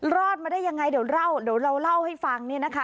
รอดมาได้ยังไงเดี๋ยวเราเล่าให้ฟังนะคะ